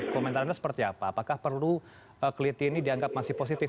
komentarnya seperti apa apakah perlu kleti ini dianggap masih positif